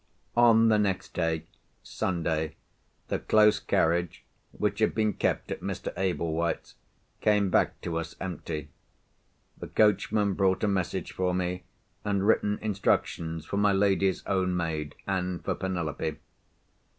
On the next day (Sunday), the close carriage, which had been kept at Mr. Ablewhite's, came back to us empty. The coachman brought a message for me, and written instructions for my lady's own maid and for Penelope.